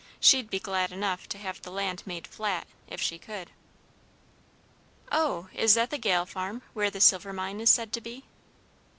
She'd be glad enough to have the land made flat, if she could." "Oh, is that the Gale farm, where the silver mine is said to be?"